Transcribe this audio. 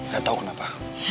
gak tau kenapa